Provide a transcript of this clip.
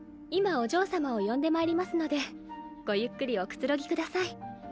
今お嬢様を呼んでまいりますのでごゆっくりおくつろぎ下さい。